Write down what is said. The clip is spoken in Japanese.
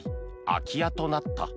空き家となった。